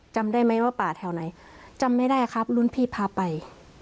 จำได้ไหมว่าป่าแถวไหนจำไม่ได้ครับรุ่นพี่พาไป